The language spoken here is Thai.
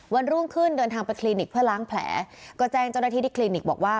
รุ่งขึ้นเดินทางไปคลินิกเพื่อล้างแผลก็แจ้งเจ้าหน้าที่ที่คลินิกบอกว่า